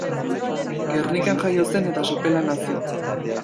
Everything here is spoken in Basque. Gernikan jaio zen eta Sopelan hazi.